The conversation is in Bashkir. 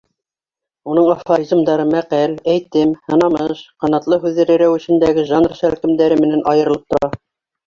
Уның афоризмдары мәҡәл, әйтем, һынамыш, ҡанатлы һүҙҙәр рәүешендәге жанр шәлкемдәре менән айырылып тора.